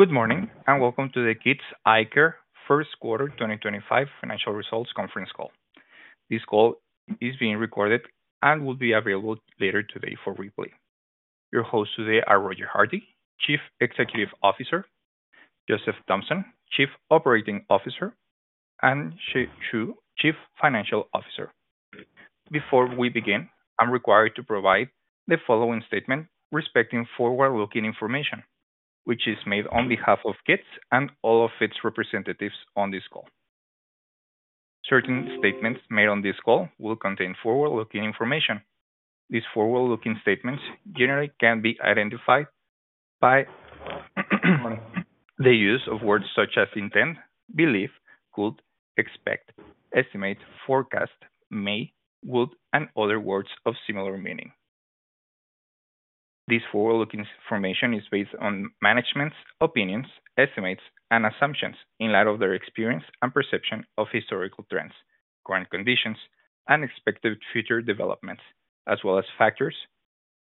Good morning and welcome to the KITS Eyecare First Quarter 2025 Financial Results Conference Call. This call is being recorded and will be available later today for replay. Your hosts today are Roger Hardy, Chief Executive Officer; Joseph Thompson, Chief Operating Officer; and Zhe Choo, Chief Financial Officer. Before we begin, I'm required to provide the following statement respecting forward-looking information, which is made on behalf of KITS and all of its representatives on this call. Certain statements made on this call will contain forward-looking information. These forward-looking statements generally can be identified by the use of words such as intend, believe, could, expect, estimate, forecast, may, would, and other words of similar meaning. This forward-looking information is based on management's opinions, estimates, and assumptions in light of their experience and perception of historical trends, current conditions, and expected future developments, as well as factors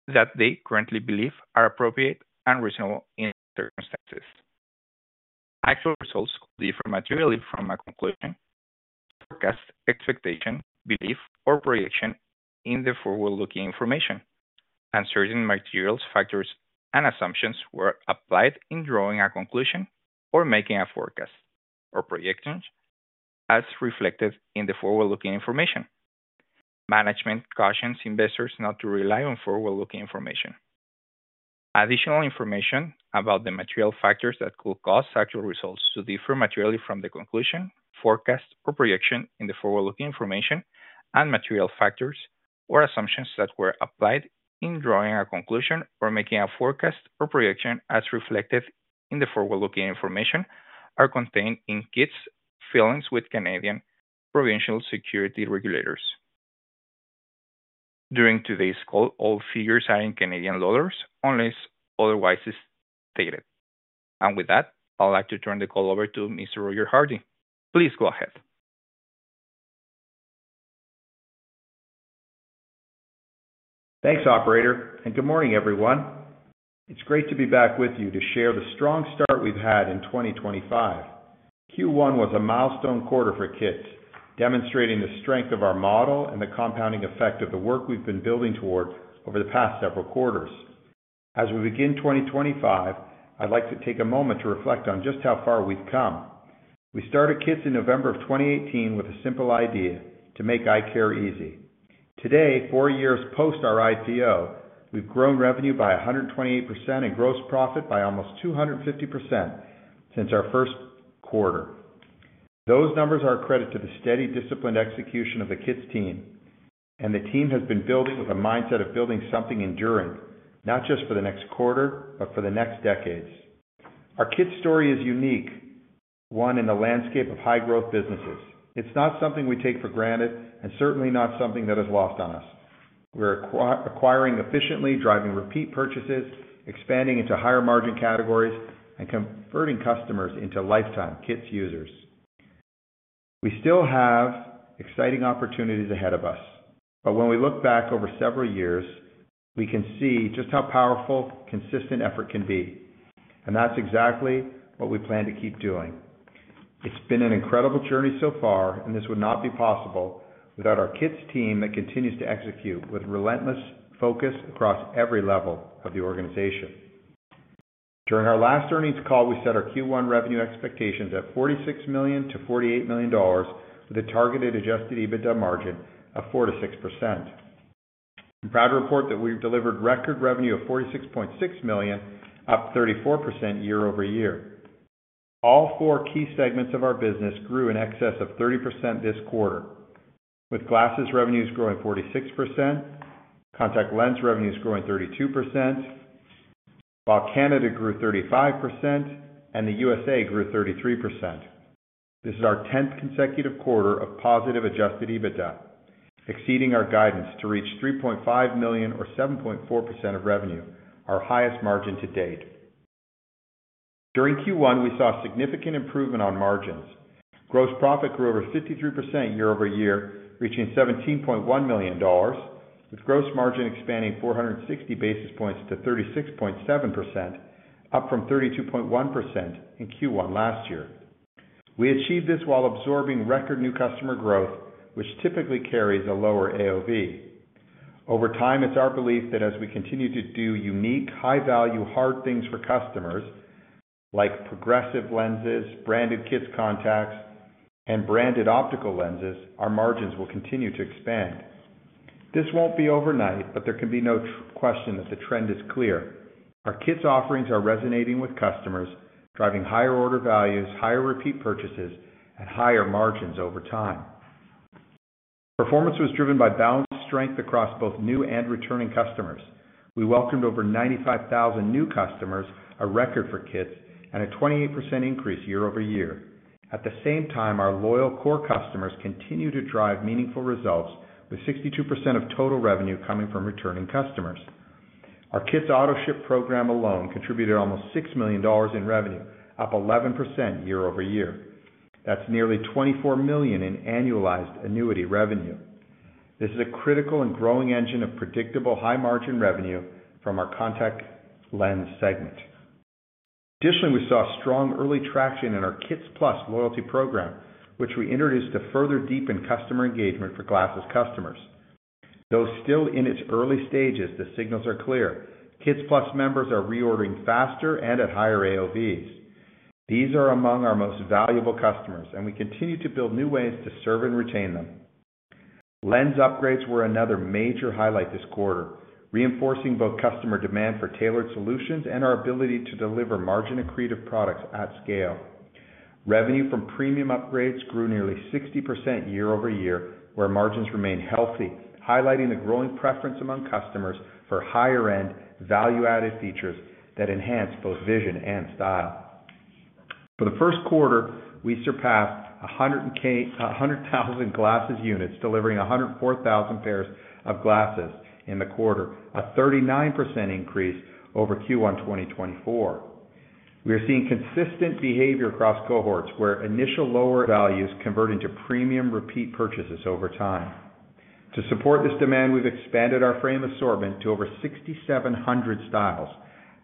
that they currently believe are appropriate and reasonable in these circumstances. Actual results differ materially from a conclusion, forecast, expectation, belief, or projection in the forward-looking information, and certain material factors and assumptions were applied in drawing a conclusion or making a forecast or projection as reflected in the forward-looking information During today's call, all figures are in CAD unless otherwise stated. With that, I'd like to turn the call over to Mr. Roger Hardy. Please go ahead. Thanks, Operator. Good morning, everyone. It's great to be back with you to share the strong start we've had in 2025. Q1 was a milestone quarter for KITS, demonstrating the strength of our model and the compounding effect of the work we've been building toward over the past several quarters. As we begin 2025, I'd like to take a moment to reflect on just how far we've come. We started KITS in November of 2018 with a simple idea: to make eye care easy. Today, four years post our IPO, we've grown revenue by 128% and gross profit by almost 250% since our first quarter. Those numbers are a credit to the steady, disciplined execution of the KITS team, and the team has been building with a mindset of building something enduring, not just for the next quarter, but for the next decades. Our KITS story is unique, one in the landscape of high-growth businesses. It's not something we take for granted and certainly not something that is lost on us. We're acquiring efficiently, driving repeat purchases, expanding into higher margin categories, and converting customers into lifetime KITS users. We still have exciting opportunities ahead of us, but when we look back over several years, we can see just how powerful consistent effort can be, and that's exactly what we plan to keep doing. It's been an incredible journey so far, and this would not be possible without our KITS team that continues to execute with relentless focus across every level of the organization. During our last earnings call, we set our Q1 revenue expectations at 46 million-48 million dollars with a targeted adjusted EBITDA margin of 4%-6%. I'm proud to report that we've delivered record revenue of 46.6 million, up 34% year-over-year. All four key segments of our business grew in excess of 30% this quarter, with glasses revenues growing 46%, contact lens revenues growing 32%, while Canada grew 35% and the U.S.A. grew 33%. This is our 10th consecutive quarter of positive adjusted EBITDA, exceeding our guidance to reach 3.5 million or 7.4% of revenue, our highest margin to date. During Q1, we saw significant improvement on margins. Gross profit grew over 53% year-over-year, reaching 17.1 million dollars, with gross margin expanding 460 basis points to 36.7%, up from 32.1% in Q1 last year. We achieved this while absorbing record new customer growth, which typically carries a lower AOV. Over time, it's our belief that as we continue to do unique, high-value hard things for customers, like progressive lenses, branded KITS contacts, and branded optical lenses, our margins will continue to expand. This won't be overnight, but there can be no question that the trend is clear. Our KITS offerings are resonating with customers, driving higher order values, higher repeat purchases, and higher margins over time. Performance was driven by balanced strength across both new and returning customers. We welcomed over 95,000 new customers, a record for KITS, and a 28% increase year-over-year. At the same time, our loyal core customers continue to drive meaningful results, with 62% of total revenue coming from returning customers. Our KITS auto ship program alone contributed almost 6 million dollars in revenue, up 11% year-over-year. That's nearly 24 million in annualized annuity revenue. This is a critical and growing engine of predictable high-margin revenue from our contact lens segment. Additionally, we saw strong early traction in our KITS+ loyalty program, which we introduced to further deepen customer engagement for glasses customers. Though still in its early stages, the signals are clear. KITS+ members are reordering faster and at higher AOVs. These are among our most valuable customers, and we continue to build new ways to serve and retain them. Lens upgrades were another major highlight this quarter, reinforcing both customer demand for tailored solutions and our ability to deliver margin-accretive products at scale. Revenue from premium upgrades grew nearly 60% year-over-year, where margins remained healthy, highlighting the growing preference among customers for higher-end, value-added features that enhance both vision and style. For the first quarter, we surpassed 100,000 glasses units, delivering 104,000 pairs of glasses in the quarter, a 39% increase over Q1 2024. We are seeing consistent behavior across cohorts, where initial lower values convert into premium repeat purchases over time. To support this demand, we've expanded our frame assortment to over 6,700 styles,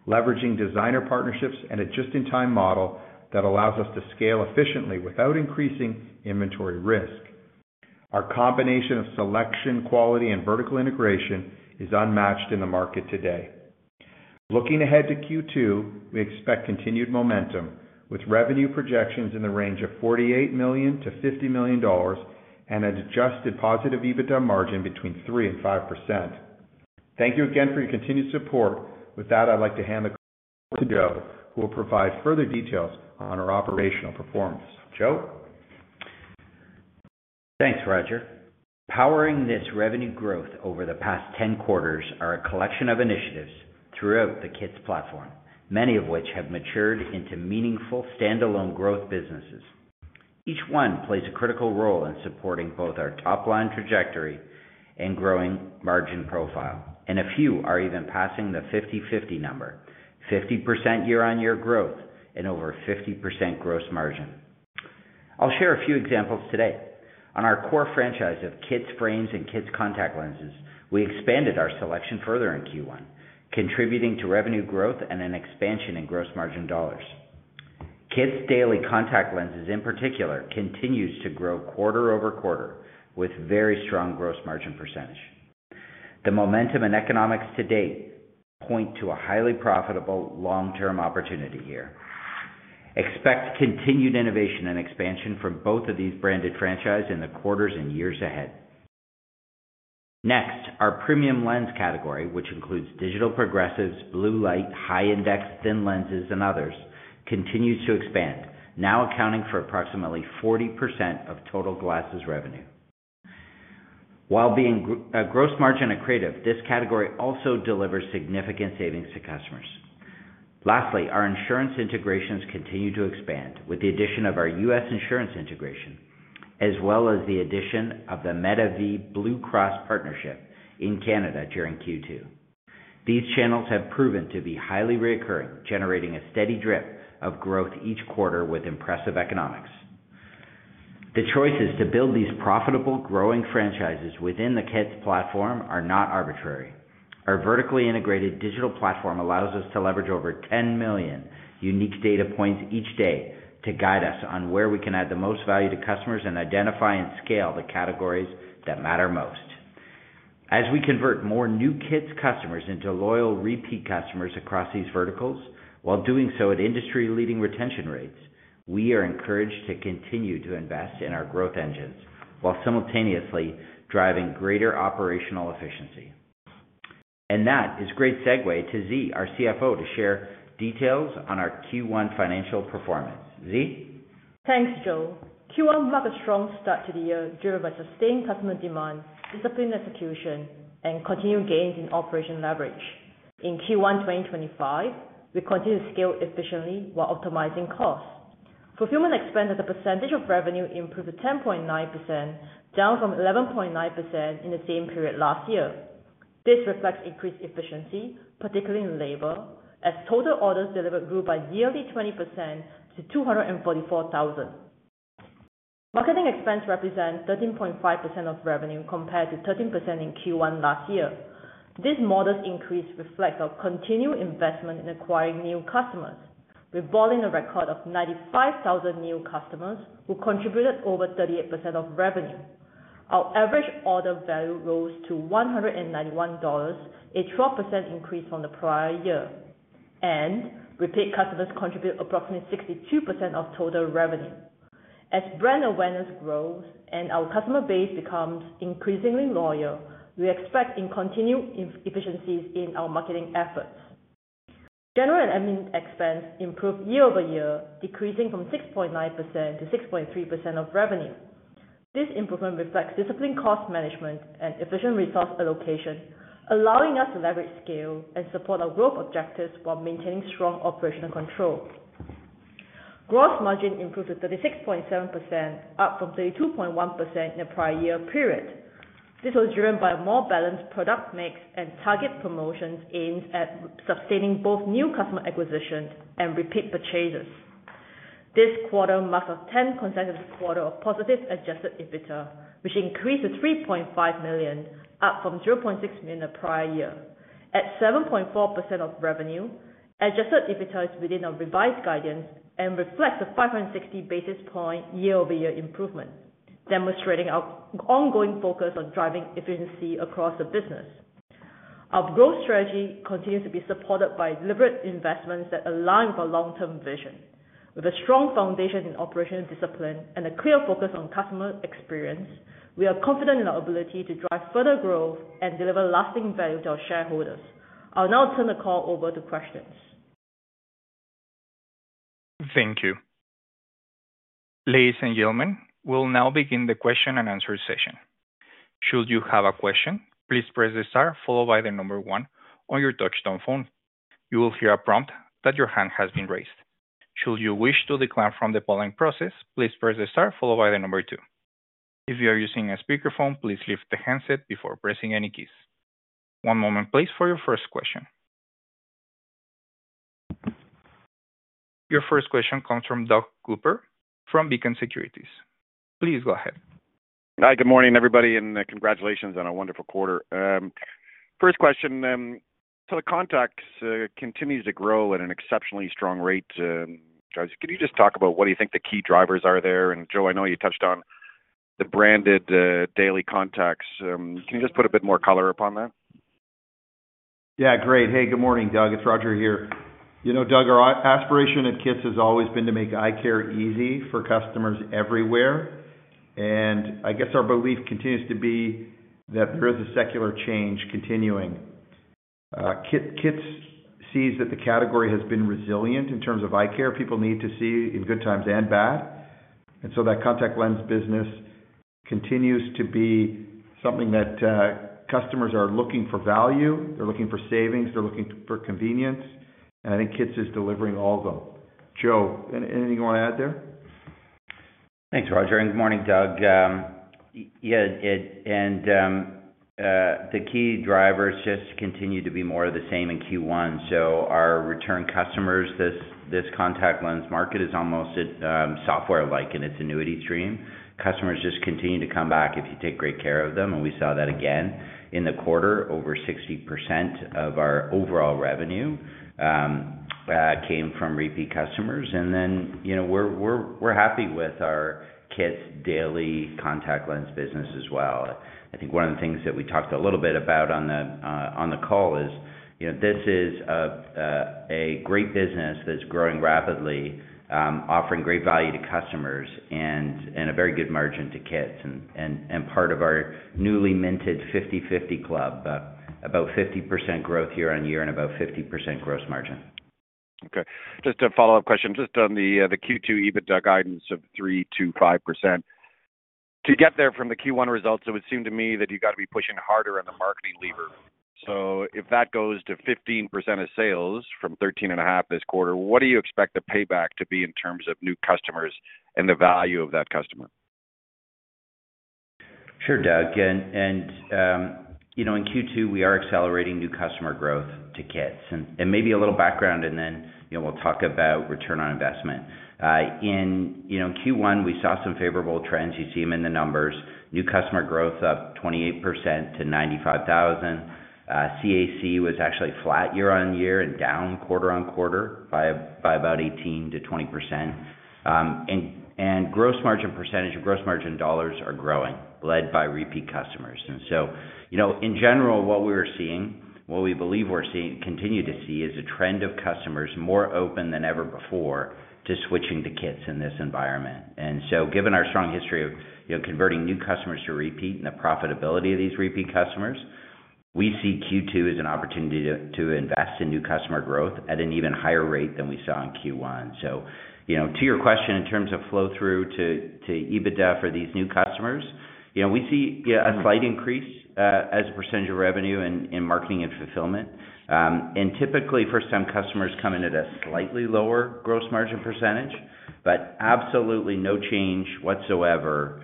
leveraging designer partnerships and a just-in-time model that allows us to scale efficiently without increasing inventory risk. Our combination of selection, quality, and vertical integration is unmatched in the market today. Looking ahead to Q2, we expect continued momentum, with revenue projections in the range of 48 million-50 million dollars and an adjusted positive EBITDA margin between 3% and 5%. Thank you again for your continued support. With that, I'd like to hand the call to Joe, who will provide further details on our operational performance. Joe? Thanks, Roger. Powering this revenue growth over the past 10 quarters are a collection of initiatives throughout the KITS platform, many of which have matured into meaningful standalone growth businesses. Each one plays a critical role in supporting both our top-line trajectory and growing margin profile, and a few are even passing the 50/50 number: 50% year-on-year growth and over 50% gross margin. I'll share a few examples today. On our core franchise of KITS frames and KITS contact lenses, we expanded our selection further in Q1, contributing to revenue growth and an expansion in gross margin dollars. KITS daily contact lenses, in particular, continues to grow quarter over quarter with very strong gross margin percentage. The momentum and economics to date point to a highly profitable long-term opportunity here. Expect continued innovation and expansion from both of these branded franchises in the quarters and years ahead. Next, our premium lens category, which includes digital progressives, blue light, high-index, thin lenses, and others, continues to expand, now accounting for approximately 40% of total glasses revenue. While being gross margin accretive, this category also delivers significant savings to customers. Lastly, our insurance integrations continue to expand with the addition of our U.S. insurance integration, as well as the addition of the Medavie Blue Cross partnership in Canada during Q2. These channels have proven to be highly recurring, generating a steady drip of growth each quarter with impressive economics. The choices to build these profitable, growing franchises within the KITS platform are not arbitrary. Our vertically integrated digital platform allows us to leverage over 10 million unique data points each day to guide us on where we can add the most value to customers and identify and scale the categories that matter most. As we convert more new KITS customers into loyal repeat customers across these verticals, while doing so at industry-leading retention rates, we are encouraged to continue to invest in our growth engines while simultaneously driving greater operational efficiency. That is a great segue to Zhe, our CFO, to share details on our Q1 financial performance. Zhe? Thanks, Joe. Q1 marked a strong start to the year driven by sustained customer demand, disciplined execution, and continued gains in operation leverage. In Q1 2025, we continue to scale efficiently while optimizing costs. Fulfillment expense as a percentage of revenue improved to 10.9%, down from 11.9% in the same period last year. This reflects increased efficiency, particularly in labor, as total orders delivered grew by nearly 20% to 244,000. Marketing expense represents 13.5% of revenue compared to 13% in Q1 last year. This modest increase reflects our continued investment in acquiring new customers, reboarding a record of 95,000 new customers who contributed over 38% of revenue. Our average order value rose to $191, a 12% increase from the prior year, and repeat customers contribute approximately 62% of total revenue. As brand awareness grows and our customer base becomes increasingly loyal, we expect continued efficiencies in our marketing efforts. General and admin expense improved year-over-year, decreasing from 6.9% to 6.3% of revenue. This improvement reflects disciplined cost management and efficient resource allocation, allowing us to leverage scale and support our growth objectives while maintaining strong operational control. Gross margin improved to 36.7%, up from 32.1% in the prior year period. This was driven by a more balanced product mix and targeted promotions aimed at sustaining both new customer acquisitions and repeat purchases. This quarter marked 10 consecutive quarters of positive adjusted EBITDA, which increased to 3.5 million, up from 0.6 million the prior year. At 7.4% of revenue, adjusted EBITDA is within our revised guidance and reflects a 560 basis point year-over-year improvement, demonstrating our ongoing focus on driving efficiency across the business. Our growth strategy continues to be supported by deliberate investments that align with our long-term vision. With a strong foundation in operational discipline and a clear focus on customer experience, we are confident in our ability to drive further growth and deliver lasting value to our shareholders. I'll now turn the call over to questions. Thank you. Ladies and gentlemen, we'll now begin the question and answer session. Should you have a question, please press the star followed by the number one on your touch-tone phone. You will hear a prompt that your hand has been raised. Should you wish to decline from the polling process, please press the star followed by the number two. If you are using a speakerphone, please lift the handset before pressing any keys. One moment, please, for your first question. Your first question comes from Doug Cooper from Beacon Securities. Please go ahead. Hi, good morning, everybody, and congratulations on a wonderful quarter. First question, as to the contacts continues to grow at an exceptionally strong rate, could you just talk about what do you think the key drivers are there? And Joe, I know you touched on the branded daily contacts. Can you just put a bit more color upon that? Yeah, great. Hey, good morning, Doug. It's Roger here. You know, Doug, our aspiration at KITS has always been to make eye care easy for customers everywhere. I guess our belief continues to be that there is a secular change continuing. KITS sees that the category has been resilient in terms of eye care. People need to see in good times and bad. That contact lens business continues to be something that customers are looking for value. They're looking for savings. They're looking for convenience. I think KITS is delivering all of them. Joe, anything you want to add there? Thanks, Roger. Good morning, Doug. Yeah, the key drivers just continue to be more of the same in Q1. Our return customers, this contact lens market is almost software-like in its annuity stream. Customers just continue to come back if you take great care of them. We saw that again in the quarter. Over 60% of our overall revenue came from repeat customers. We are happy with our KITS daily contact lens business as well. I think one of the things that we talked a little bit about on the call is this is a great business that is growing rapidly, offering great value to customers and a very good margin to KITS. Part of our newly-minted 50/50 club, about 50% growth year-on-year and about 50% gross margin. Okay. Just a follow-up question. Just on the Q2 EBITDA guidance of 3%-5%, to get there from the Q1 results, it would seem to me that you've got to be pushing harder on the marketing lever. If that goes to 15% of sales from 13.5% this quarter, what do you expect the payback to be in terms of new customers and the value of that customer? Sure, Doug. In Q2, we are accelerating new customer growth to KITS. Maybe a little background, and then we'll talk about return on investment. In Q1, we saw some favorable trends. You see them in the numbers. New customer growth up 28% to 95,000. CAC was actually flat year-on-year and down quarter-on-quarter by about 18%-20%. Gross margin percentage of gross margin dollars are growing, led by repeat customers. In general, what we're seeing, what we believe we're seeing, continue to see is a trend of customers more open than ever before to switching to KITS in this environment. Given our strong history of converting new customers to repeat and the profitability of these repeat customers, we see Q2 as an opportunity to invest in new customer growth at an even higher rate than we saw in Q1. To your question, in terms of flow-through to EBITDA for these new customers, we see a slight increase as a percentage of revenue in marketing and fulfillment. Typically, first-time customers come in at a slightly lower gross margin percentage, but absolutely no change whatsoever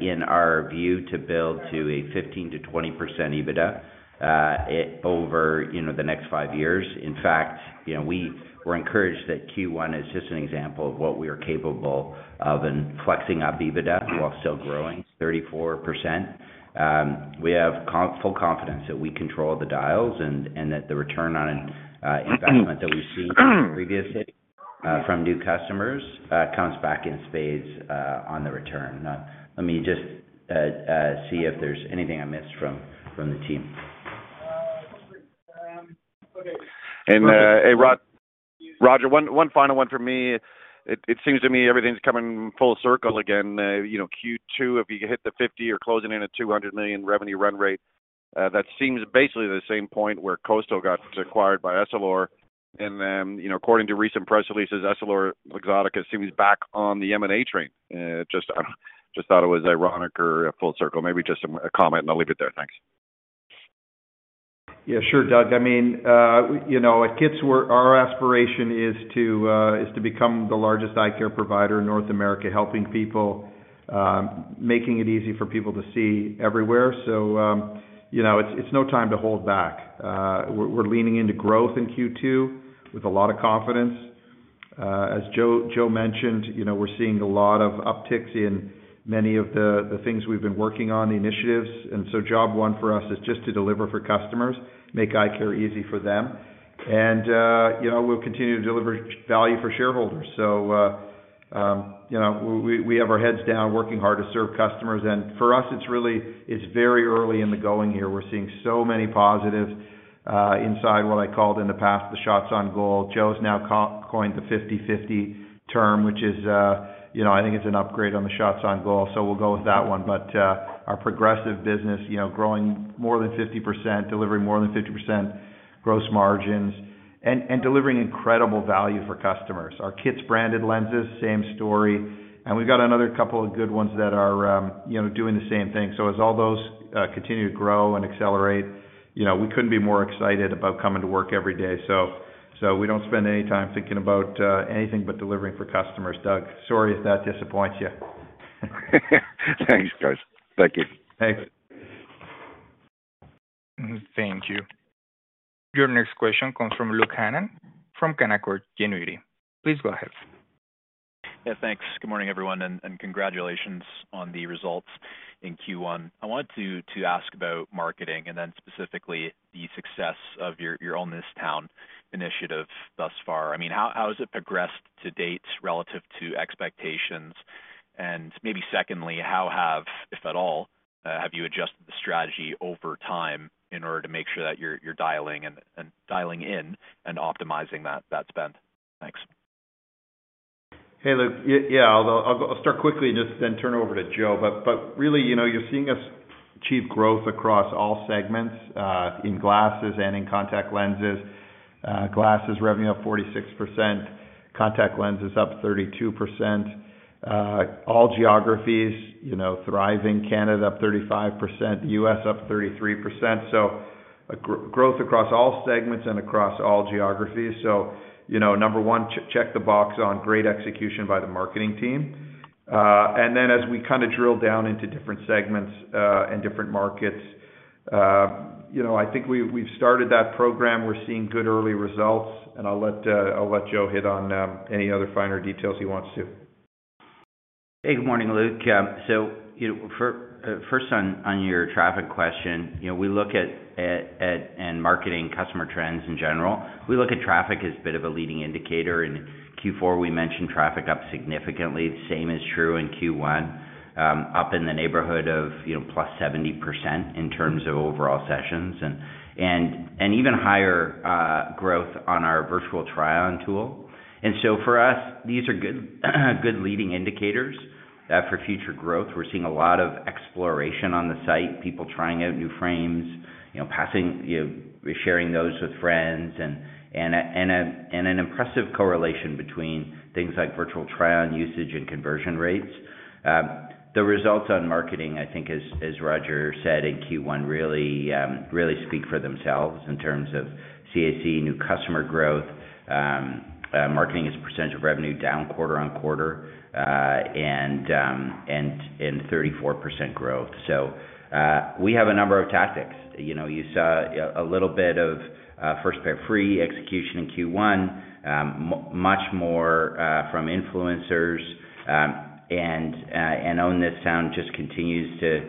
in our view to build to a 15%-20% EBITDA over the next five years. In fact, we were encouraged that Q1 is just an example of what we are capable of in flexing up EBITDA while still growing 34%. We have full confidence that we control the dials and that the return on investment that we've seen previously from new customers comes back in spades on the return. Let me just see if there's anything I missed from the team. Roger, one final one from me. It seems to me everything's coming full circle again. Q2, if you hit the 50% or closing in on a $200 million revenue run rate, that seems basically the same point where Coastal got acquired by Essilor. And according to recent press releases, EssilorLuxottica seems back on the M&A train. Just thought it was ironic or a full circle. Maybe just a comment, and I'll leave it there. Thanks. Yeah, sure, Doug. I mean, at KITS, our aspiration is to become the largest eye care provider in North America, helping people, making it easy for people to see everywhere. It is no time to hold back. We are leaning into growth in Q2 with a lot of confidence. As Joe mentioned, we are seeing a lot of upticks in many of the things we have been working on, the initiatives. Job one for us is just to deliver for customers, make eye care easy for them. We will continue to deliver value for shareholders. We have our heads down, working hard to serve customers. For us, it is very early in the going here. We are seeing so many positives inside what I called in the past the shots on goal. Joe has now coined the 50/50 term, which I think is an upgrade on the shots on goal. We'll go with that one. Our progressive business, growing more than 50%, delivering more than 50% gross margins, and delivering incredible value for customers. Our KITS branded lenses, same story. We have another couple of good ones that are doing the same thing. As all those continue to grow and accelerate, we could not be more excited about coming to work every day. We do not spend any time thinking about anything but delivering for customers. Doug, sorry if that disappoints you. Thanks, guys. Thank you. Thanks. Thank you. Your next question comes from Luke Hannan from Canaccord Genuity. Please go ahead. Yeah, thanks. Good morning, everyone, and congratulations on the results in Q1. I wanted to ask about marketing and then specifically the success of your Own This Town initiative thus far. I mean, how has it progressed to date relative to expectations? Maybe secondly, how have, if at all, have you adjusted the strategy over time in order to make sure that you're dialing in and optimizing that spend? Thanks. Hey, look, yeah, I'll start quickly and just then turn over to Joe. Really, you're seeing us achieve growth across all segments in glasses and in contact lenses. Glasses revenue up 46%, contact lenses up 32%. All geographies, thriving Canada up 35%, U.S. up 33%. Growth across all segments and across all geographies. Number one, check the box on great execution by the marketing team. As we kind of drill down into different segments and different markets, I think we've started that program. We're seeing good early results. I'll let Joe hit on any other finer details he wants to. Hey, good morning, Luke. First on your traffic question, we look at marketing customer trends in general. We look at traffic as a bit of a leading indicator. In Q4, we mentioned traffic up significantly. The same is true in Q1, up in the neighborhood of +70% in terms of overall sessions and even higher growth on our virtual trial and tool. For us, these are good leading indicators for future growth. We're seeing a lot of exploration on the site, people trying out new frames, sharing those with friends, and an impressive correlation between things like virtual trial and usage and conversion rates. The results on marketing, I think, as Roger said in Q1, really speak for themselves in terms of CAC, new customer growth, marketing as a percentage of revenue down quarter-on-quarter, and 34% growth. We have a number of tactics. You saw a little bit of First Pair Free execution in Q1, much more from influencers. Own This Town just continues to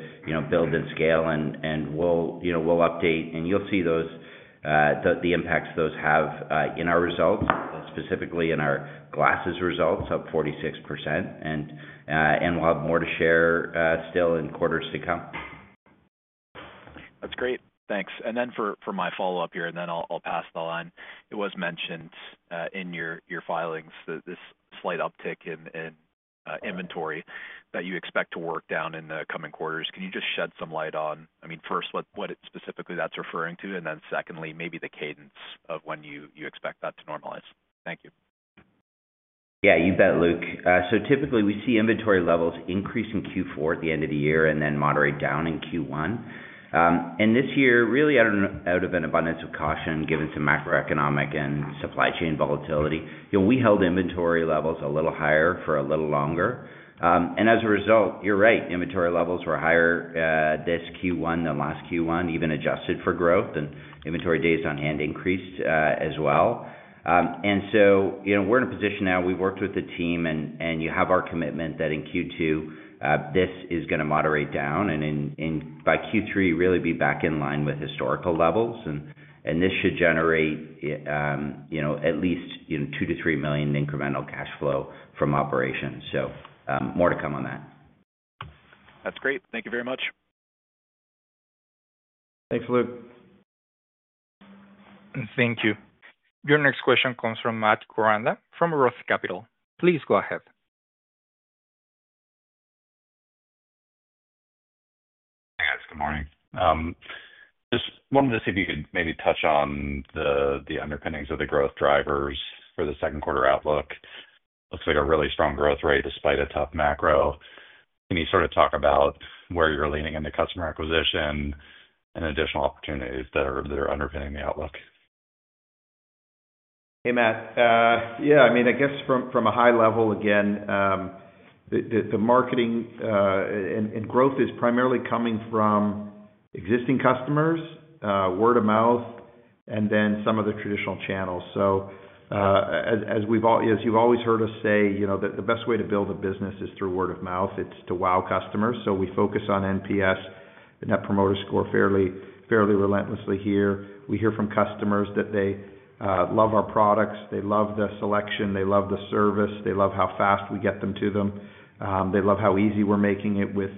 build and scale, and we'll update. You'll see the impacts those have in our results, specifically in our glasses results, up 46%. We'll have more to share still in quarters to come. That's great. Thanks. For my follow-up here, and then I'll pass the line. It was mentioned in your filings that this slight uptick in inventory that you expect to work down in the coming quarters. Can you just shed some light on, I mean, first, what specifically that's referring to, and then secondly, maybe the cadence of when you expect that to normalize? Thank you. Yeah, you bet, Luke. Typically, we see inventory levels increase in Q4 at the end of the year and then moderate down in Q1. This year, really, out of an abundance of caution, given some macroeconomic and supply chain volatility, we held inventory levels a little higher for a little longer. As a result, you're right, inventory levels were higher this Q1 than last Q1, even adjusted for growth, and inventory days on hand increased as well. We're in a position now. We've worked with the team, and you have our commitment that in Q2, this is going to moderate down. By Q3, really be back in line with historical levels. This should generate at least 2 million-3 million incremental cash flow from operations. More to come on that. That's great. Thank you very much. Thanks, Luke. Thank you. Your next question comes from Matt Koranda from Roth Capital. Please go ahead. Hey, guys. Good morning. Just wanted to see if you could maybe touch on the underpinnings of the growth drivers for the second quarter outlook. Looks like a really strong growth rate despite a tough macro. Can you sort of talk about where you're leaning in the customer acquisition and additional opportunities that are underpinning the outlook? Hey, Matt. Yeah, I mean, I guess from a high level, again, the marketing and growth is primarily coming from existing customers, word of mouth, and then some of the traditional channels. As you've always heard us say, the best way to build a business is through word of mouth. It's to wow customers. We focus on NPS, the Net Promoter Score, fairly relentlessly here. We hear from customers that they love our products. They love the selection. They love the service. They love how fast we get them to them. They love how easy we're making it with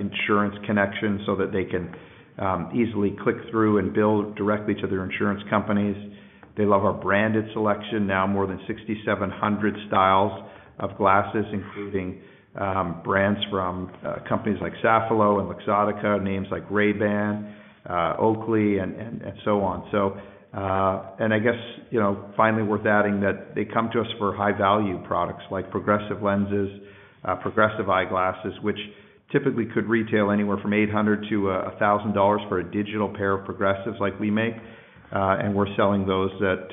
insurance connections so that they can easily click through and bill directly to their insurance companies. They love our branded selection. Now, more than 6,700 styles of glasses, including brands from companies like Safilo and Luxottica, names like Ray-Ban, Oakley, and so on. I guess finally worth adding that they come to us for high-value products like progressive lenses, progressive eyeglasses, which typically could retail anywhere from 800-1,000 dollars for a digital pair of progressives like we make. We're selling those at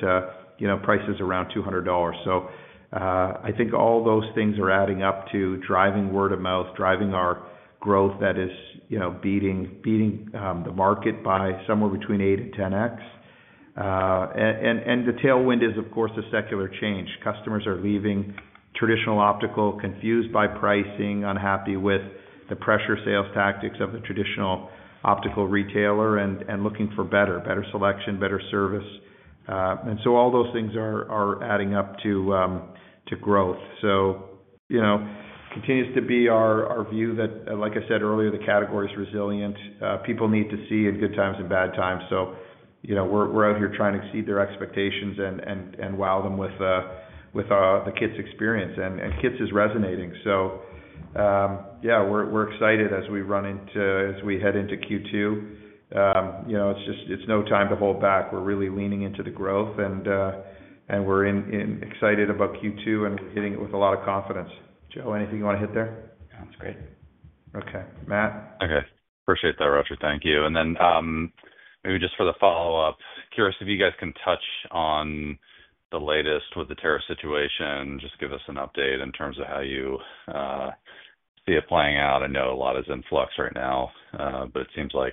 prices around 200 dollars. I think all those things are adding up to driving word of mouth, driving our growth that is beating the market by somewhere between 8x-10x. The tailwind is, of course, a secular change. Customers are leaving traditional optical, confused by pricing, unhappy with the pressure sales tactics of the traditional optical retailer, and looking for better, better selection, better service. All those things are adding up to growth. It continues to be our view that, like I said earlier, the category is resilient. People need to see in good times and bad times. We're out here trying to exceed their expectations and wow them with the KITS experience. KITS is resonating. Yeah, we're excited as we head into Q2. It's no time to hold back. We're really leaning into the growth, and we're excited about Q2, and we're hitting it with a lot of confidence. Joe, anything you want to hit there? Sounds great. Okay. Matt? Okay. Appreciate that, Roger. Thank you. Maybe just for the follow-up, curious if you guys can touch on the latest with the tariff situation, just give us an update in terms of how you see it playing out. I know a lot is in flux right now, but it seems like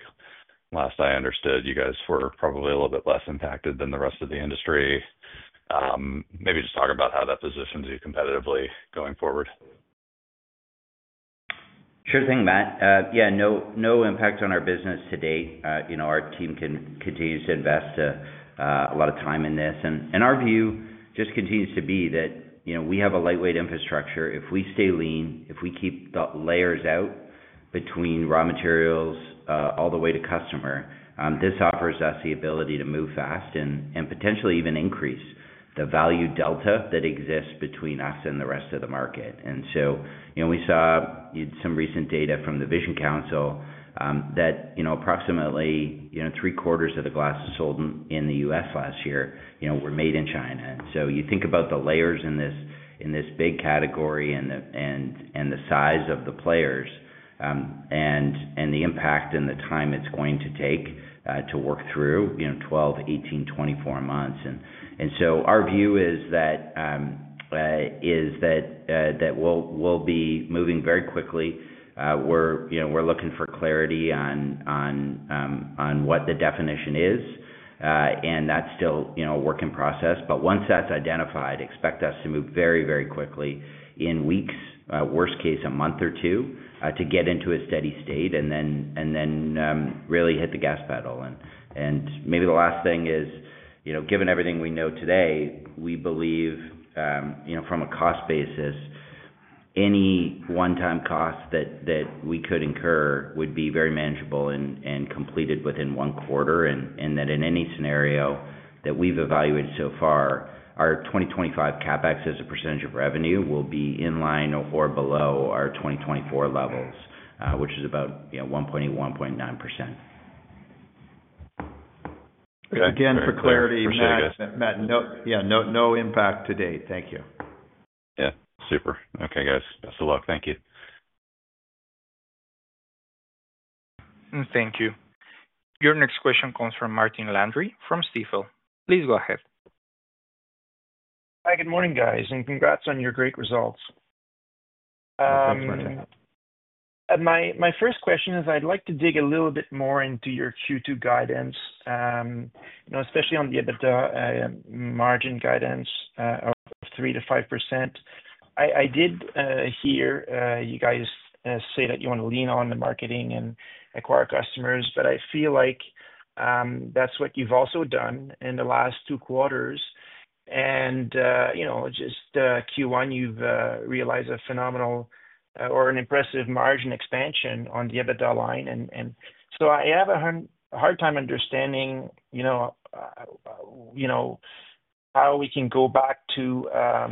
last I understood, you guys were probably a little bit less impacted than the rest of the industry. Maybe just talk about how that positions you competitively going forward. Sure thing, Matt. Yeah, no impact on our business to date. Our team continues to invest a lot of time in this. Our view just continues to be that we have a lightweight infrastructure. If we stay lean, if we keep the layers out between raw materials all the way to customer, this offers us the ability to move fast and potentially even increase the value delta that exists between us and the rest of the market. We saw some recent data from The Vision Council that approximately three-quarters of the glasses sold in the U.S. last year were made in China. You think about the layers in this big category and the size of the players and the impact and the time it's going to take to work through 12, 18, 24 months. Our view is that we'll be moving very quickly. We're looking for clarity on what the definition is, and that's still a work in process. Once that's identified, expect us to move very, very quickly in weeks, worst case a month or two, to get into a steady state and then really hit the gas pedal. Maybe the last thing is, given everything we know today, we believe from a cost basis, any one-time cost that we could incur would be very manageable and completed within one quarter. In any scenario that we've evaluated so far, our 2025 CapEx as a percentage of revenue will be in line or below our 2024 levels, which is about 1.8%-1.9%. Again, for clarity, Matt. Yeah, no impact to date. Thank you. Yeah. Super. Okay, guys. Best of luck. Thank you. Thank you. Your next question comes from Martin Landry from Stifel. Please go ahead. Hi, good morning, guys. Congrats on your great results. Thanks, Martin. My first question is I'd like to dig a little bit more into your Q2 guidance, especially on the EBITDA margin guidance of 3%-5%. I did hear you guys say that you want to lean on the marketing and acquire customers, but I feel like that's what you've also done in the last two quarters. In just Q1, you've realized a phenomenal or an impressive margin expansion on the EBITDA line. I have a hard time understanding how we can go back to a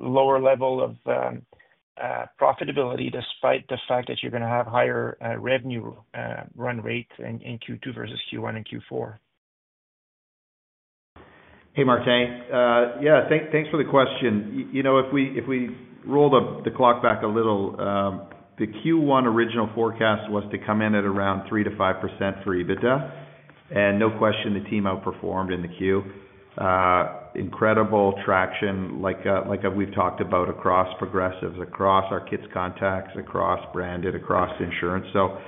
lower level of profitability despite the fact that you're going to have higher revenue run rates in Q2 versus Q1 and Q4. Hey, Martin. Yeah, thanks for the question. If we roll the clock back a little, the Q1 original forecast was to come in at around 3%-5% for EBITDA. And no question, the team outperformed in the Q. Incredible traction, like we've talked about across progressives, across our KITS contacts, across branded, across insurance. So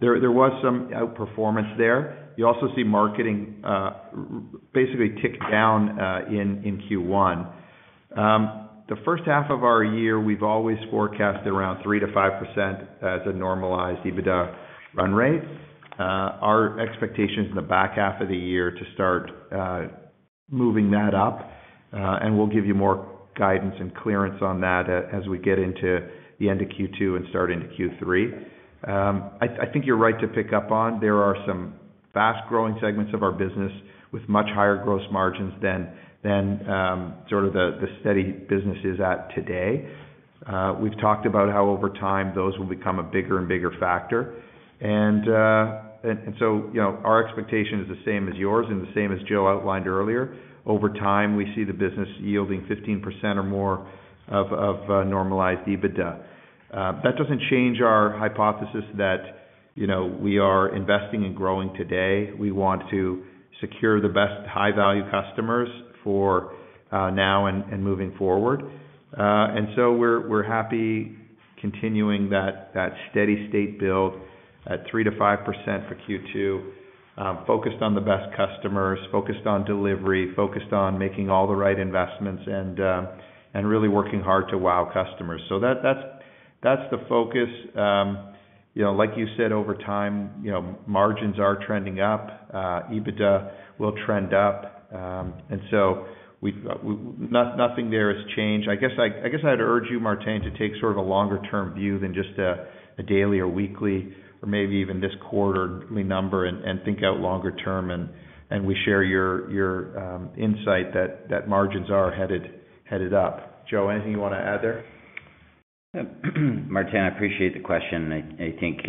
there was some outperformance there. You also see marketing basically tick down in Q1. The first half of our year, we've always forecasted around 3%-5% as a normalized EBITDA run rate. Our expectation is in the back half of the year to start moving that up. And we'll give you more guidance and clearance on that as we get into the end of Q2 and start into Q3. I think you're right to pick up on. There are some fast-growing segments of our business with much higher gross margins than sort of the steady business is at today. We've talked about how over time, those will become a bigger and bigger factor. Our expectation is the same as yours and the same as Joe outlined earlier. Over time, we see the business yielding 15% or more of normalized EBITDA. That doesn't change our hypothesis that we are investing and growing today. We want to secure the best high-value customers for now and moving forward. We're happy continuing that steady state build at 3%-5% for Q2, focused on the best customers, focused on delivery, focused on making all the right investments, and really working hard to wow customers. That's the focus. Like you said, over time, margins are trending up. EBITDA will trend up. Nothing there has changed. I guess I'd urge you, Martin, to take sort of a longer-term view than just a daily or weekly or maybe even this quarterly number and think out longer term. We share your insight that margins are headed up. Joe, anything you want to add there? Martin, I appreciate the question. I think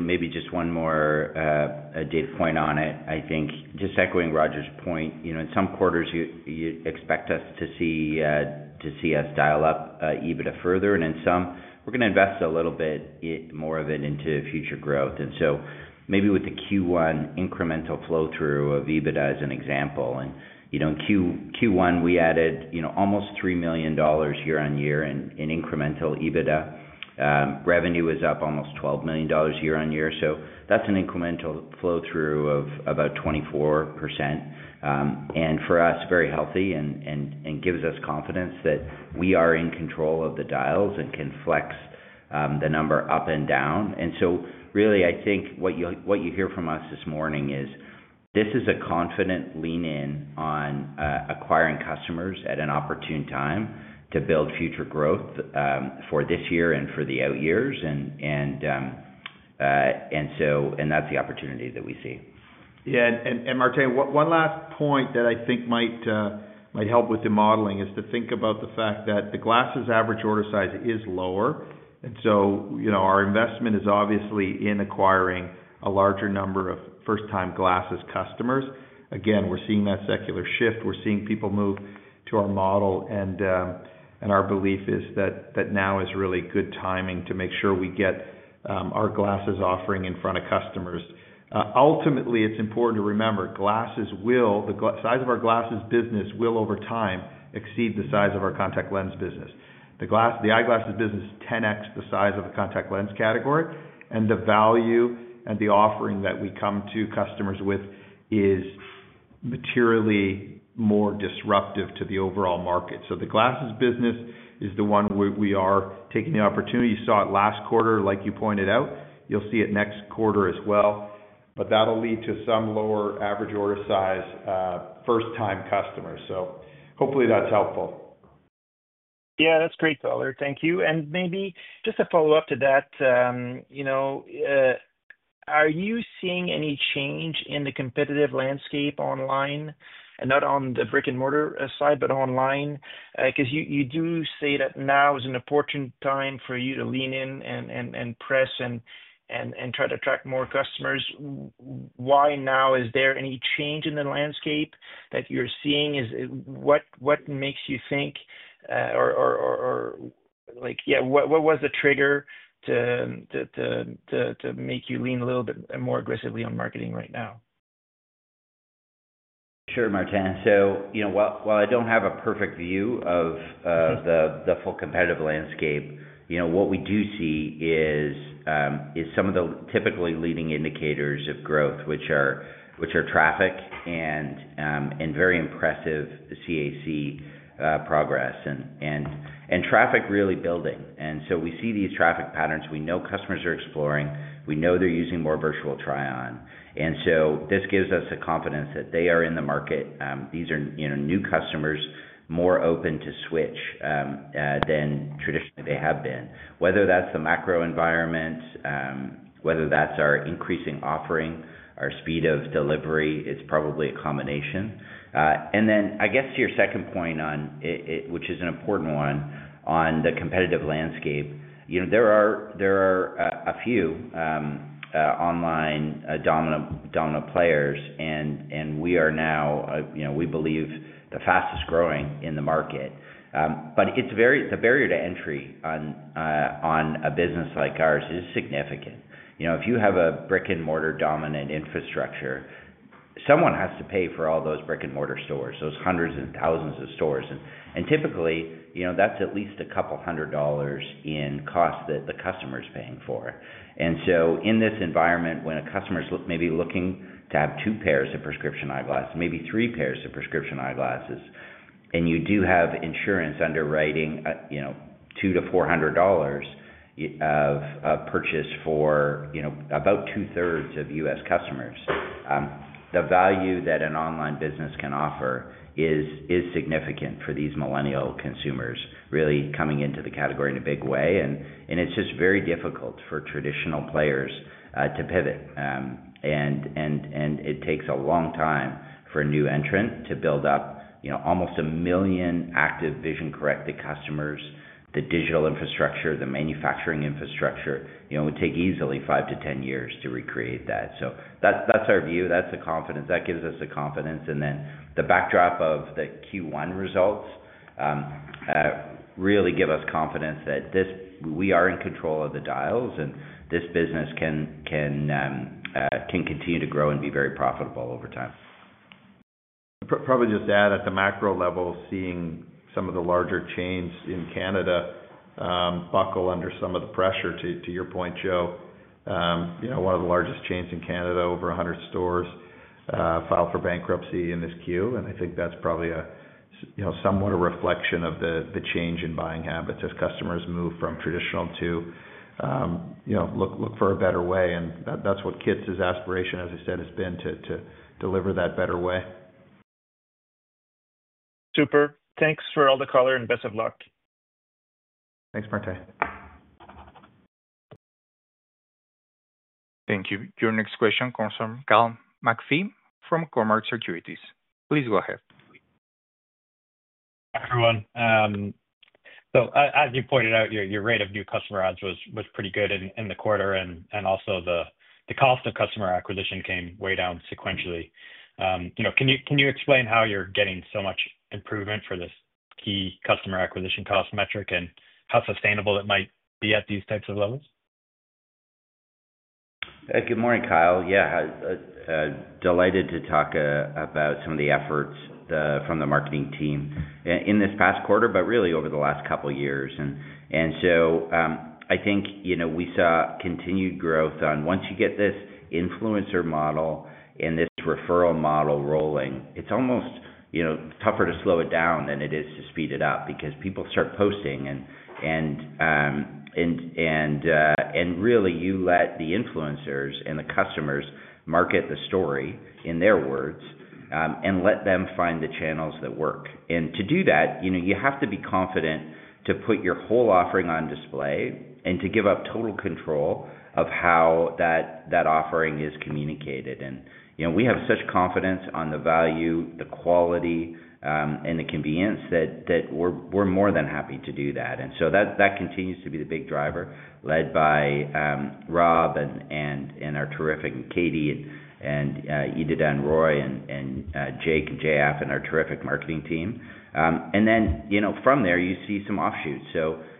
maybe just one more data point on it. I think just echoing Roger's point, in some quarters, you expect to see us dial up EBITDA further. In some, we are going to invest a little bit more of it into future growth. Maybe with the Q1 incremental flow-through of EBITDA as an example. In Q1, we added almost 3 million dollars year-on-year in incremental EBITDA. Revenue is up almost 12 million dollars year-on-year. That is an incremental flow-through of about 24%. For us, very healthy and gives us confidence that we are in control of the dials and can flex the number up and down. Really, I think what you hear from us this morning is this is a confident lean-in on acquiring customers at an opportune time to build future growth for this year and for the out years. That is the opportunity that we see. Yeah. And Martin, one last point that I think might help with the modeling is to think about the fact that the glasses' average order size is lower. Our investment is obviously in acquiring a larger number of first-time glasses customers. Again, we're seeing that secular shift. We're seeing people move to our model. Our belief is that now is really good timing to make sure we get our glasses offering in front of customers. Ultimately, it's important to remember, the size of our glasses business will over time exceed the size of our contact lens business. The eyeglasses business is 10x the size of the contact lens category. The value and the offering that we come to customers with is materially more disruptive to the overall market. The glasses business is the one we are taking the opportunity. You saw it last quarter, like you pointed out. You'll see it next quarter as well. That'll lead to some lower average order size first-time customers. Hopefully that's helpful. Yeah, that's great color. Thank you. Maybe just a follow-up to that, are you seeing any change in the competitive landscape online? Not on the brick-and-mortar side, but online. You do say that now is an opportune time for you to lean in and press and try to attract more customers. Why now? Is there any change in the landscape that you're seeing? What makes you think, or yeah, what was the trigger to make you lean a little bit more aggressively on marketing right now? Sure, Martin. While I do not have a perfect view of the full competitive landscape, what we do see is some of the typically leading indicators of growth, which are traffic and very impressive CAC progress. Traffic is really building. We see these traffic patterns. We know customers are exploring. We know they are using more virtual try-on. This gives us the confidence that they are in the market. These are new customers, more open to switch than traditionally they have been. Whether that is the macro environment, whether that is our increasing offering, our speed of delivery, it is probably a combination. To your second point, which is an important one, on the competitive landscape, there are a few online dominant players. We are now, we believe, the fastest growing in the market. The barrier to entry on a business like ours is significant. If you have a brick-and-mortar dominant infrastructure, someone has to pay for all those brick-and-mortar stores, those hundreds and thousands of stores. Typically, that is at least a couple hundred dollars in cost that the customer is paying for. In this environment, when a customer is maybe looking to have two pairs of prescription eyeglasses, maybe three pairs of prescription eyeglasses, and you do have insurance underwriting 200-400 dollars of purchase for about two-thirds of U.S. customers, the value that an online business can offer is significant for these millennial consumers really coming into the category in a big way. It is just very difficult for traditional players to pivot. It takes a long time for a new entrant to build up almost a million active vision-corrected customers, the digital infrastructure, the manufacturing infrastructure. It would take easily 5-10 years to recreate that. That is our view. That is the confidence. That gives us the confidence. The backdrop of the Q1 results really gives us confidence that we are in control of the dials, and this business can continue to grow and be very profitable over time. Probably just add at the macro level, seeing some of the larger chains in Canada buckle under some of the pressure. To your point, Joe, one of the largest chains in Canada, over 100 stores, filed for bankruptcy in this queue. I think that's probably somewhat a reflection of the change in buying habits as customers move from traditional to look for a better way. That's what KITS' aspiration, as I said, has been to deliver that better way. Super. Thanks for all the color and best of luck. Thanks, Marte. Thank you. Your next question comes from Kyle McPhee from Cormark Securities. Please go ahead. Hi, everyone. As you pointed out, your rate of new customer adds was pretty good in the quarter. Also, the cost of customer acquisition came way down sequentially. Can you explain how you're getting so much improvement for this key customer acquisition cost metric and how sustainable it might be at these types of levels? Good morning, Kyle. Yeah, delighted to talk about some of the efforts from the marketing team in this past quarter, but really over the last couple of years. I think we saw continued growth on once you get this influencer model and this referral model rolling, it's almost tougher to slow it down than it is to speed it up because people start posting. You let the influencers and the customers market the story in their words and let them find the channels that work. To do that, you have to be confident to put your whole offering on display and to give up total control of how that offering is communicated. We have such confidence on the value, the quality, and the convenience that we're more than happy to do that. That continues to be the big driver led by Rob and our terrific Katie and Edith Anne Roy and Jake and JF and our terrific marketing team. From there, you see some offshoots.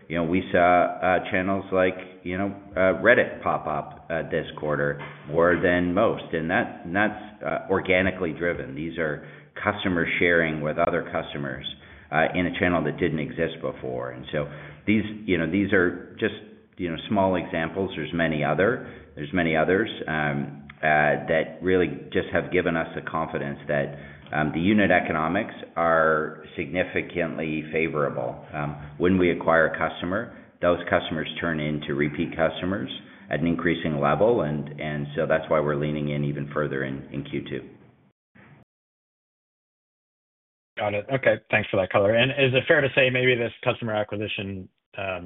We saw channels like Reddit pop up this quarter more than most. That is organically driven. These are customers sharing with other customers in a channel that did not exist before. These are just small examples. There are many others that really just have given us the confidence that the unit economics are significantly favorable. When we acquire a customer, those customers turn into repeat customers at an increasing level. That is why we are leaning in even further in Q2. Got it. Okay. Thanks for that, Tyler. Is it fair to say maybe this customer acquisition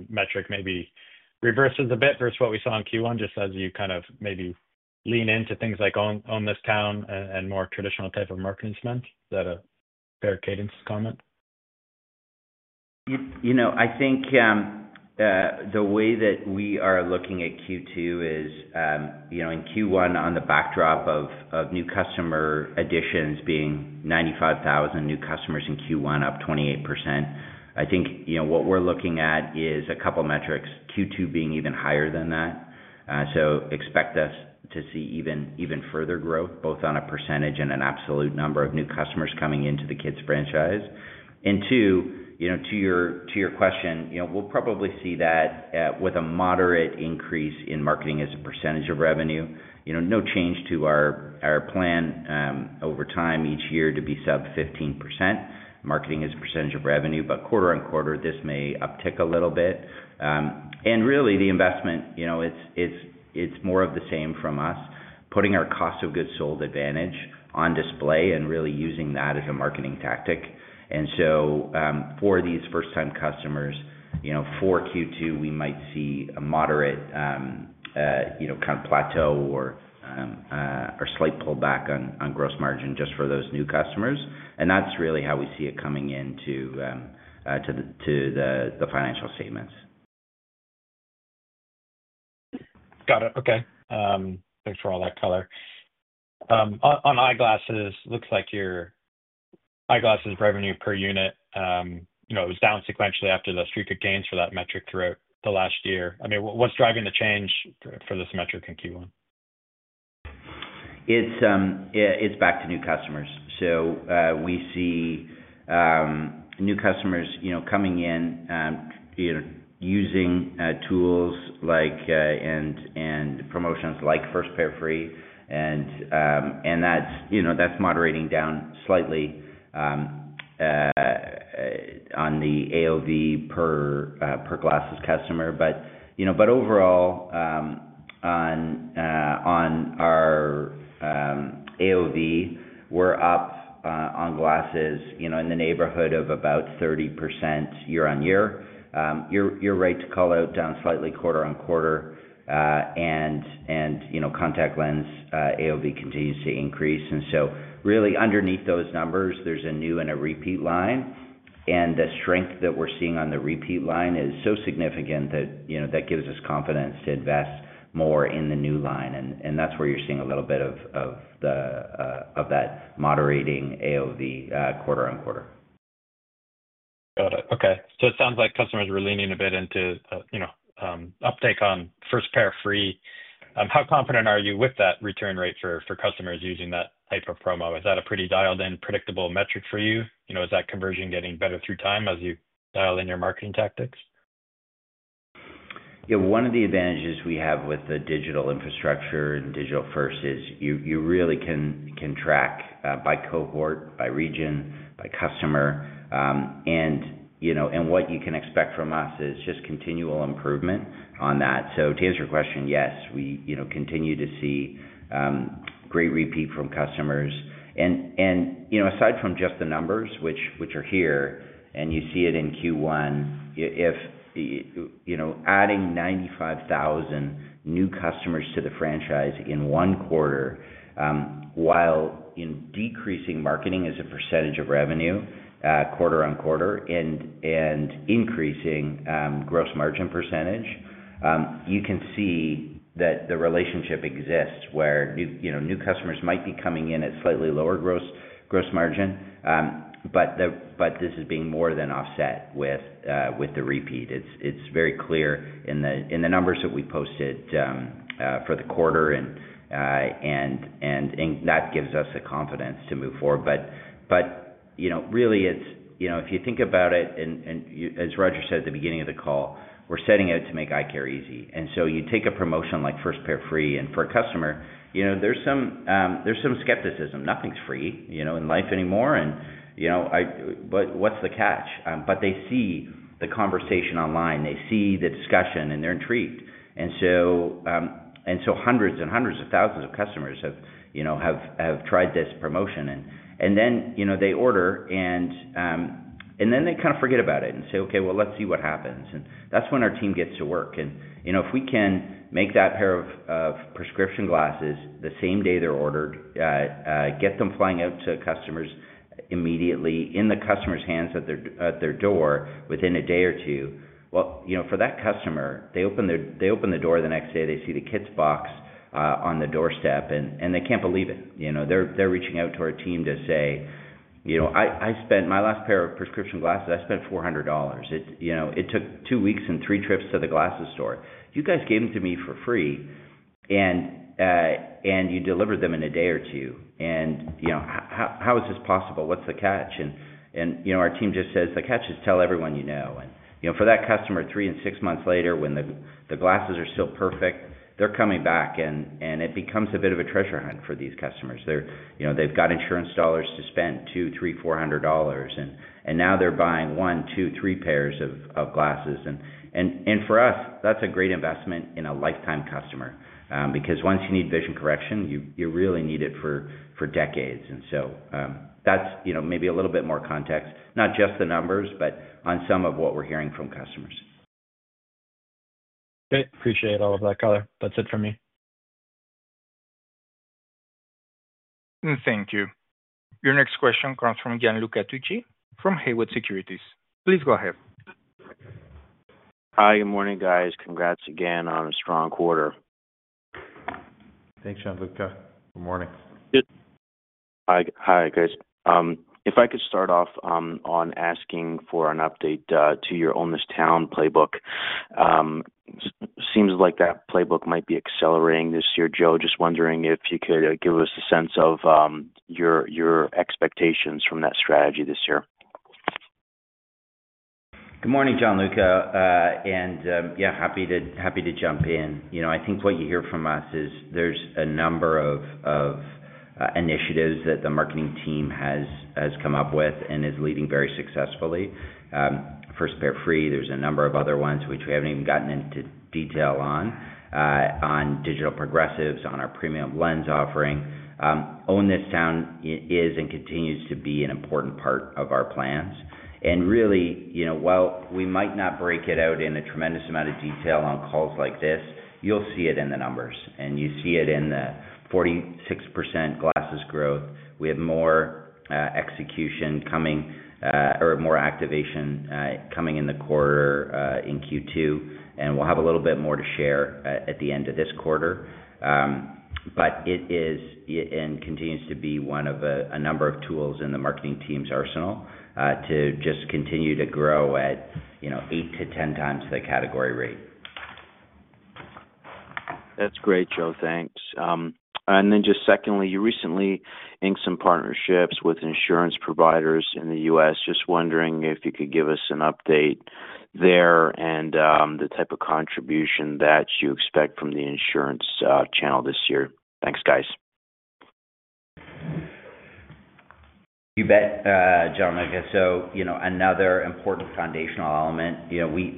metric maybe reverses a bit versus what we saw in Q1 just as you kind of maybe lean into things like Own This Town and more traditional type of marketing spend? Is that a fair cadence comment? I think the way that we are looking at Q2 is in Q1, on the backdrop of new customer additions being 95,000 new customers in Q1, up 28%. I think what we're looking at is a couple of metrics, Q2 being even higher than that. Expect us to see even further growth, both on a percentage and an absolute number of new customers coming into the KITS franchise. Two, to your question, we'll probably see that with a moderate increase in marketing as a percentage of revenue. No change to our plan over time each year to be sub 15% marketing as a percentage of revenue. Quarter-on-quarter, this may uptick a little bit. Really, the investment, it's more of the same from us, putting our cost of goods sold advantage on display and really using that as a marketing tactic. For these first-time customers, for Q2, we might see a moderate kind of plateau or slight pullback on gross margin just for those new customers. That is really how we see it coming into the financial statements. Got it. Okay. Thanks for all that color. On eyeglasses, looks like your eyeglasses revenue per unit, it was down sequentially after the streak of gains for that metric throughout the last year. I mean, what's driving the change for this metric in Q1? It's back to new customers. We see new customers coming in, using tools and promotions like First Pair Free. That's moderating down slightly on the AOV per glasses customer. Overall, on our AOV, we're up on glasses in the neighborhood of about 30% year-on-year. You're right to call out down slightly quarter-on-quarter. Contact lens AOV continues to increase. Really, underneath those numbers, there's a new and a repeat line. The strength that we're seeing on the repeat line is so significant that that gives us confidence to invest more in the new line. That's where you're seeing a little bit of that moderating AOV quarter-on-quarter. Got it. Okay. So it sounds like customers were leaning a bit into uptake on First Pair Free. How confident are you with that return rate for customers using that type of promo? Is that a pretty dialed-in, predictable metric for you? Is that conversion getting better through time as you dial in your marketing tactics? Yeah. One of the advantages we have with the digital infrastructure and digital first is you really can track by cohort, by region, by customer. What you can expect from us is just continual improvement on that. To answer your question, yes, we continue to see great repeat from customers. Aside from just the numbers, which are here, and you see it in Q1, adding 95,000 new customers to the franchise in one quarter while decreasing marketing as a percentage of revenue quarter-on-quarter and increasing gross margin percentage, you can see that the relationship exists where new customers might be coming in at slightly lower gross margin. This is being more than offset with the repeat. It is very clear in the numbers that we posted for the quarter. That gives us the confidence to move forward. If you think about it, and as Roger said at the beginning of the call, we are setting out to make eye care easy. You take a promotion like First Pair Free, and for a customer, there is some skepticism. Nothing is free in life anymore. What is the catch? They see the conversation online. They see the discussion, and they are intrigued. Hundreds and hundreds of thousands of customers have tried this promotion. They order, and they kind of forget about it and say, "Okay, let us see what happens." That is when our team gets to work. If we can make that pair of prescription glasses the same day they are ordered, get them flying out to customers immediately in the customer's hands at their door within a day or two, for that customer, they open the door the next day. They see the KITS box on the doorstep, and they can't believe it. They're reaching out to our team to say, "I spent my last pair of prescription glasses, I spent 400 dollars. It took two weeks and three trips to the glasses store. You guys gave them to me for free, and you delivered them in a day or two. And how is this possible? What's the catch?" Our team just says, "The catch is tell everyone you know." For that customer, three and six months later, when the glasses are still perfect, they're coming back, and it becomes a bit of a treasure hunt for these customers. They've got insurance dollars to spend 200, 300, 400 dollars, and now they're buying one, two, three pairs of glasses. For us, that's a great investment in a lifetime customer because once you need vision correction, you really need it for decades. That's maybe a little bit more context, not just the numbers, but on some of what we're hearing from customers. Okay. Appreciate all of that color. That's it for me. Thank you. Your next question comes from Gianluca Tucci from Haywood Securities. Please go ahead. Hi, good morning, guys. Congrats again on a strong quarter. Thanks, Gianluca. Good morning. Hi, guys. If I could start off on asking for an update to your Own This Town playbook, it seems like that playbook might be accelerating this year. Joe, just wondering if you could give us a sense of your expectations from that strategy this year. Good morning, Gianluca. Yeah, happy to jump in. I think what you hear from us is there's a number of initiatives that the marketing team has come up with and is leading very successfully. First Pair Free, there's a number of other ones, which we haven't even gotten into detail on, on digital progressives, on our premium lens offering. Own This Town is and continues to be an important part of our plans. Really, while we might not break it out in a tremendous amount of detail on calls like this, you'll see it in the numbers. You see it in the 46% glasses growth. We have more execution coming or more activation coming in the quarter in Q2. We'll have a little bit more to share at the end of this quarter. It is and continues to be one of a number of tools in the marketing team's arsenal to just continue to grow at 8x-10x the category rate. That's great, Joe. Thanks. You recently inked some partnerships with insurance providers in the U.S. Just wondering if you could give us an update there and the type of contribution that you expect from the insurance channel this year. Thanks, guys. You bet, Gianluca. Another important foundational element,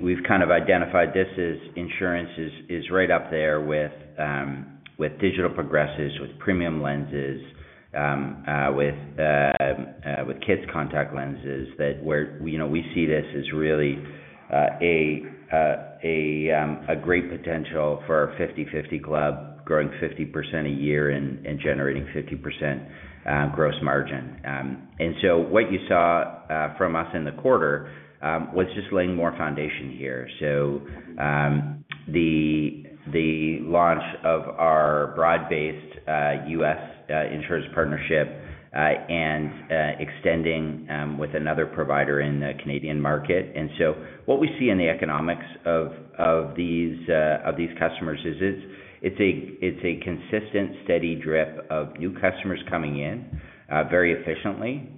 we've kind of identified this as insurance is right up there with digital progressives, with premium lenses, with KITS contact lenses, that we see this as really a great potential for our 50/50 club, growing 50% a year and generating 50% gross margin. What you saw from us in the quarter was just laying more foundation here. The launch of our broad-based U.S. insurance partnership and extending with another provider in the Canadian market. What we see in the economics of these customers is it's a consistent, steady drip of new customers coming in very efficiently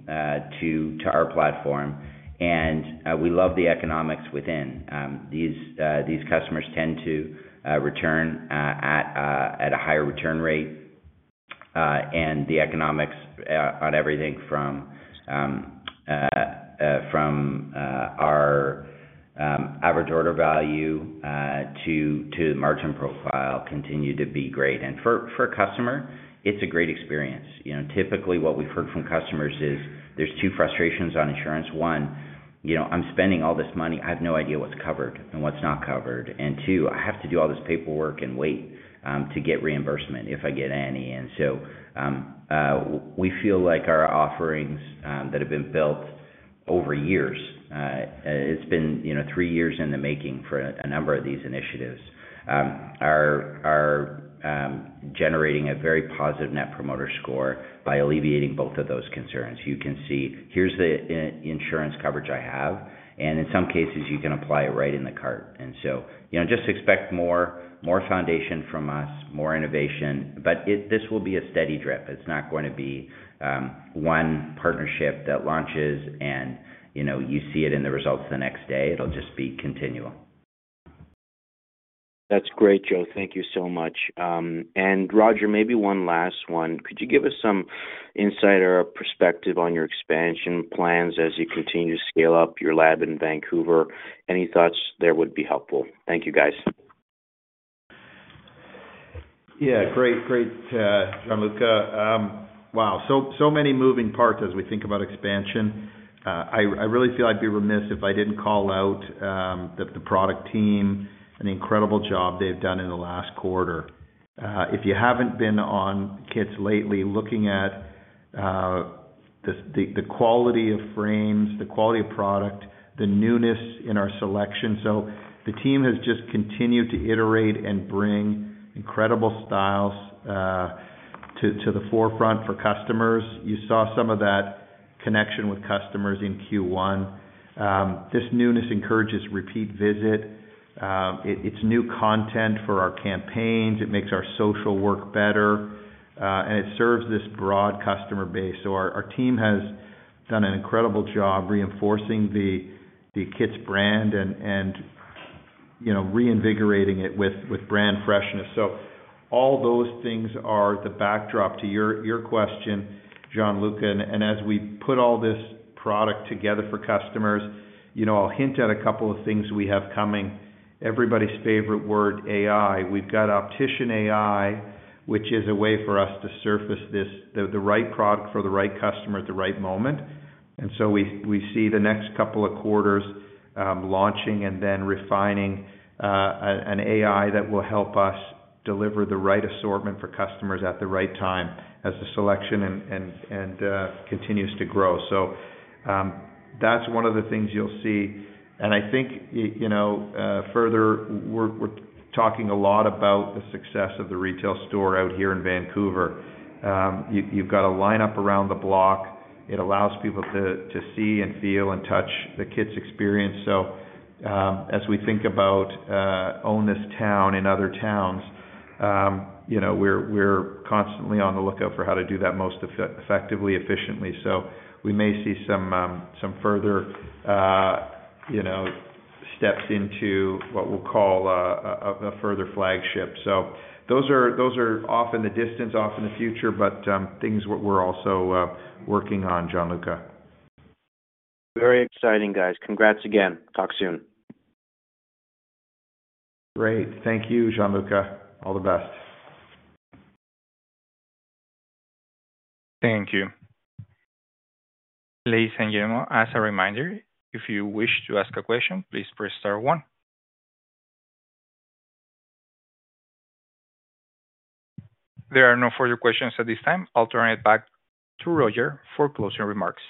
to our platform. We love the economics within. These customers tend to return at a higher return rate. The economics on everything from our average order value to the margin profile continue to be great. For a customer, it's a great experience. Typically, what we've heard from customers is there's two frustrations on insurance. One, I'm spending all this money. I have no idea what's covered and what's not covered. Two, I have to do all this paperwork and wait to get reimbursement if I get any. We feel like our offerings that have been built over years—it's been three years in the making for a number of these initiatives—are generating a very positive net promoter score by alleviating both of those concerns. You can see, "Here's the insurance coverage I have." In some cases, you can apply it right in the cart. Just expect more foundation from us, more innovation. This will be a steady drip. It's not going to be one partnership that launches and you see it in the results the next day. It'll just be continual. That's great, Joe. Thank you so much. Roger, maybe one last one. Could you give us some insight or perspective on your expansion plans as you continue to scale up your lab in Vancouver? Any thoughts there would be helpful. Thank you, guys. Yeah. Great, great, Gianluca. Wow. So many moving parts as we think about expansion. I really feel I'd be remiss if I didn't call out the product team and the incredible job they've done in the last quarter. If you haven't been on KITS lately, looking at the quality of frames, the quality of product, the newness in our selection. The team has just continued to iterate and bring incredible styles to the forefront for customers. You saw some of that connection with customers in Q1. This newness encourages repeat visit. It's new content for our campaigns. It makes our social work better. It serves this broad customer base. Our team has done an incredible job reinforcing the KITS brand and reinvigorating it with brand freshness. All those things are the backdrop to your question, Gianluca. As we put all this product together for customers, I'll hint at a couple of things we have coming. Everybody's favorite word, AI. We've got OpticianAI, which is a way for us to surface the right product for the right customer at the right moment. We see the next couple of quarters launching and then refining an AI that will help us deliver the right assortment for customers at the right time as the selection continues to grow. That's one of the things you'll see. I think further, we're talking a lot about the success of the retail store out here in Vancouver. You've got a lineup around the block. It allows people to see and feel and touch the KITS experience. As we think about Own This Town in other towns, we're constantly on the lookout for how to do that most effectively, efficiently. We may see some further steps into what we'll call a further flagship. Those are off in the distance, off in the future, but things we're also working on, Gianluca. Very exciting, guys. Congrats again. Talk soon. Great. Thank you, Gianluca. All the best. Thank you. Ladies and gentlemen, as a reminder, if you wish to ask a question, please press star one. There are no further questions at this time. I'll turn it back to Roger for closing remarks.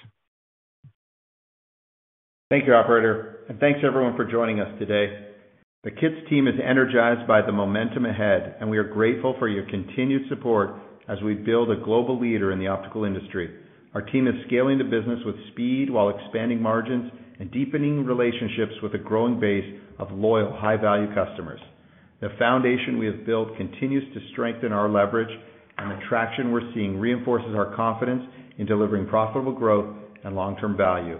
Thank you, Operator. Thank you to everyone for joining us today. The KITS team is energized by the momentum ahead, and we are grateful for your continued support as we build a global leader in the optical industry. Our team is scaling the business with speed while expanding margins and deepening relationships with a growing base of loyal, high-value customers. The foundation we have built continues to strengthen our leverage, and the traction we are seeing reinforces our confidence in delivering profitable growth and long-term value.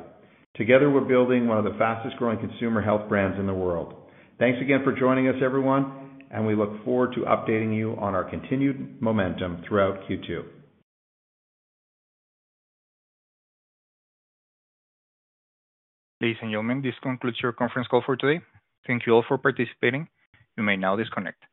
Together, we are building one of the fastest-growing consumer health brands in the world. Thank you again for joining us, everyone, and we look forward to updating you on our continued momentum throughout Q2. Ladies and gentlemen, this concludes your conference call for today. Thank you all for participating. You may now disconnect.